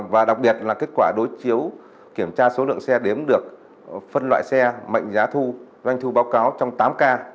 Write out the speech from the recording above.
và đặc biệt là kết quả đối chiếu kiểm tra số lượng xe đếm được phân loại xe mệnh giá thu doanh thu báo cáo trong tám k